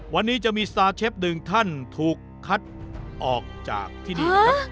วันนี้จะมีสตาร์เชฟหนึ่งท่านถูกคัดออกจากที่นี่นะครับ